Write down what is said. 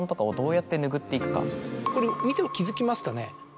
これ見て気付きますかね。